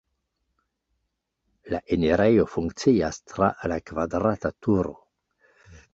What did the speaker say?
La enirejo funkcias tra la kvadrata turo.